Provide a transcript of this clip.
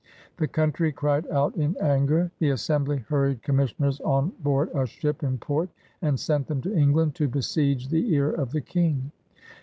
The country cried out in anger. The Assembly hurried commissioners on board a ship in port and sent them to England to besiege the ear of the King.